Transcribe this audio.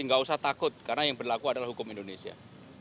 nggak usah takut karena yang berlaku adalah hukum indonesia